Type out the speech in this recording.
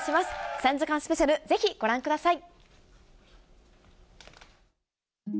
３時間スペシャル、ぜひご覧ください。